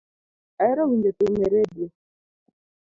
Ahero winjo thum e radio